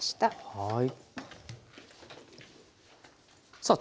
はい。